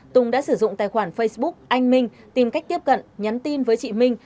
tùng đã sử dụng tài khoản facebook anh minh tìm cách tiếp cận nhắn tin với chị minh